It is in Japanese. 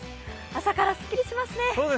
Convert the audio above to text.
朝からすっきりしますね。